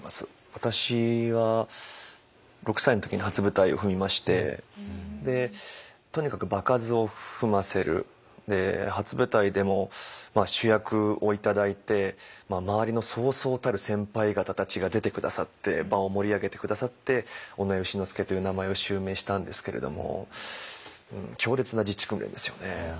私は６歳の時に初舞台を踏みましてとにかく場数を踏ませる初舞台でも主役を頂いて周りのそうそうたる先輩方たちが出て下さって場を盛り上げて下さって尾上丑之助という名前を襲名したんですけれども強烈な実地訓練ですよね。